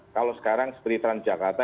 kalau sekarang seperti transjakarta